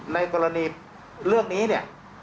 ในกรณีเรื่องนี้